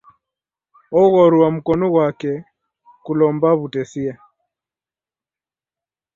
Oghorua mkonu ghwape kulomba w'utesia.